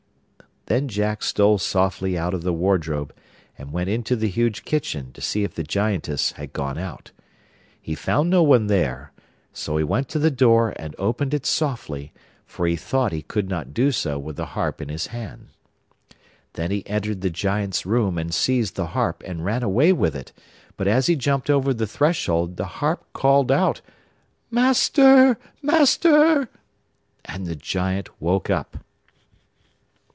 Then Jack stole softly out of the wardrobe, and went into the huge kitchen to see if the Giantess had gone out; he found no one there, so he went to the door and opened it softly, for he thought he could not do so with the harp in his hand. Then he entered the Giant's room and seized the harp and ran away with it; but as he jumped over the threshold the harp called out: 'MASTER! MASTER!' And the Giant woke up.